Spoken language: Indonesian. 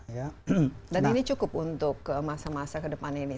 dan ini cukup untuk masa masa kedepan ini